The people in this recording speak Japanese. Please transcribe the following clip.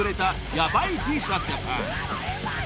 ヤバイＴシャツ屋さん］